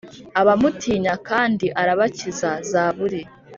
Abamutinya kandi arabakiza zaburi